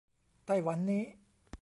ไต้หวันนี้